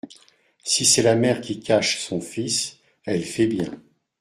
Si c’est la mère qui cache son fils, elle fait bien.